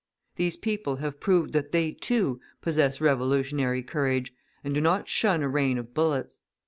These people have proved that they, too, possess revolutionary courage, and do not shun a rain of bullets.